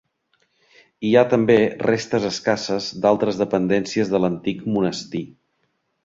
Hi ha també restes escasses d'altres dependències de l'antic monestir.